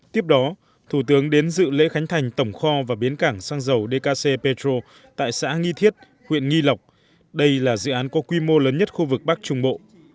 tiếp đó thủ tướng đến dự lễ khánh thành tổng kho và biến cảng xăng dầu dkc petro tại xã nghi thiết huyện nghi lộc đây là dự án có quy mô lớn nhất khu vực bắc trung bộ